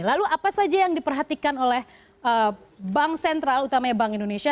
lalu apa saja yang diperhatikan oleh bank sentral utamanya bank indonesia